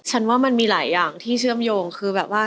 ว่ามันมีหลายอย่างที่เชื่อมโยงคือแบบว่า